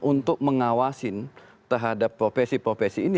untuk mengawasin terhadap profesi profesi ini